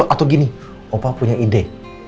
atau gini opa punya ide